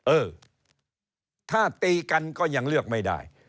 เออถ้าตีกันก็ยังเลือกไม่ได้